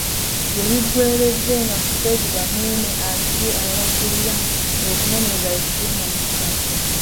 Gye biggweeredde nga Fred Bamwine asibye ababakulira ng'okunoonyereza bwe kugenda mu maaso.